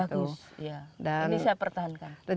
bagus ini saya pertahankan